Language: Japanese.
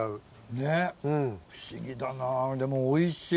ねっ不思議だなでもおいしい。